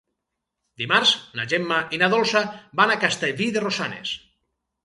Dimarts na Gemma i na Dolça van a Castellví de Rosanes.